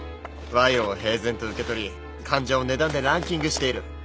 賄賂を平然と受け取り患者を値段でランキングしている。